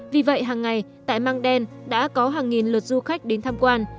vì vậy hằng ngày tại măng đen đã có hàng nghìn lượt du khách đến tham quan